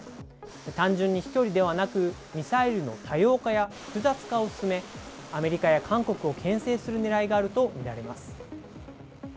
単純に飛距離ではなく、ミサイルの多様化や複雑化を進め、アメリカや韓国をけん制するねらいがあると見られます。